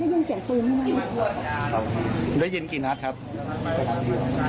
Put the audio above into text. เป็นเก่ามีการพลาดตายกัน